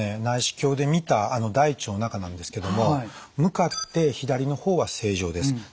内視鏡で見た大腸の中なんですけども向かって左の方は正常です。